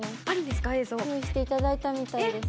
用意していただいたみたいです。